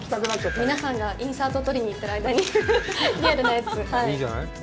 皆さんがインサートを撮りに行ってる間に、リアルなやつ、はい。